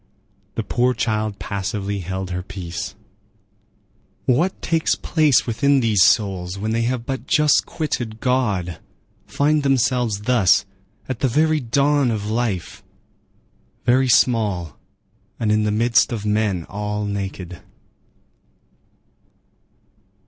The poor child passively held her peace. What takes place within these souls when they have but just quitted God, find themselves thus, at the very dawn of life, very small and in the midst of men all naked!